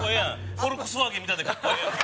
フォルクスワーゲンみたいで格好ええやん。